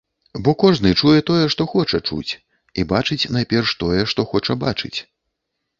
Бо кожны чуе тое, што хоча чуць, і бачыць найперш тое, што хоча бачыць.